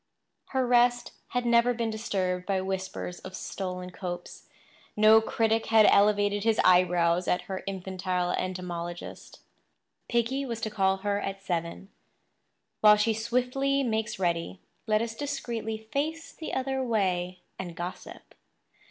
Her rest had never been disturbed by whispers of stolen copes; no critic had elevated his eyebrows at her infantile entomologist. Piggy was to call for her at seven. While she swiftly makes ready, let us discreetly face the other way and gossip.